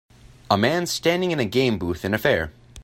A man standing in a game booth in a fair.